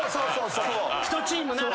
１チームなら。